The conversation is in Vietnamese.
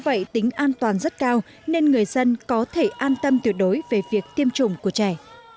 do vậy tính an toàn rất cao nên người dân có thể an tâm tuyệt đối về việc tiêm chủng của trẻ